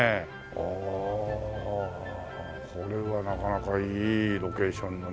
おおこれはなかなかいいロケーションのね。